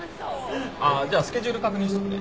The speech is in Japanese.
ああじゃあスケジュール確認しとくね。